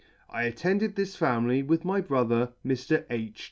" I attended this family with my brother, Mr. H.